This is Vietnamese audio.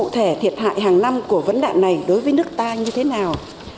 để thiệt hại hàng năm của vấn đạn này đối với nước ta như thế nào